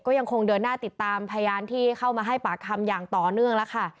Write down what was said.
ก็ยังคงเดินหน้าติดตามพยานที่เข้ามาให้ปากคำอย่างต่อเนื่องแล้วค่ะ